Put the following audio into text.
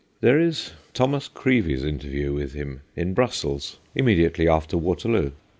There is Thomas Creevey's interview with him in Brussels, immediately after Waterloo.